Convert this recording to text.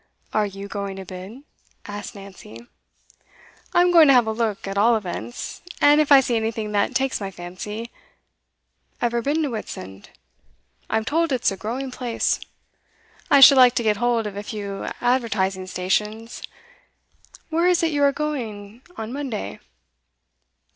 'Are you going to bid?' asked Nancy. 'I'm going to have a look, at all events; and if I see anything that takes my fancy . Ever been to Whitsand? I'm told it's a growing place. I should like to get hold of a few advertising stations. Where is it you are going to on Monday?